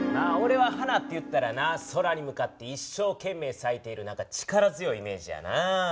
おれは花っていったらな空に向かって一生けん命さいている力強いイメージやな。